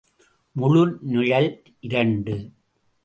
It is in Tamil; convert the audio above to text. முழு நிழல் இரண்டு.